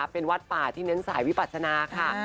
เป็นวัดป่าที่เน้นสายวิปัศนาค่ะ